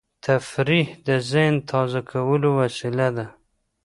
تفریح د ذهن تازه کولو وسیله ده.